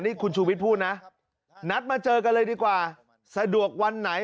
นี่คุณชูวิทย์พูดนะนัดมาเจอกันเลยดีกว่าสะดวกวันไหน